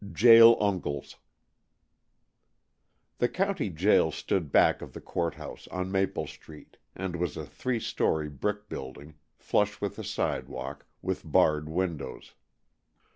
XVI. JAIL UNCLES THE county jail stood back of the courthouse, on Maple Street, and was a three story brick building, flush with the sidewalk, with barred windows.